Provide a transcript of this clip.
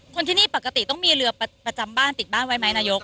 คนที่นี่ปกติต้องมีเรือประจำบ้านติดบ้านไว้ไหมนายก